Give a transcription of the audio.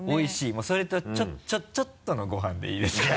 もうそれとちょっとのご飯でいいですから。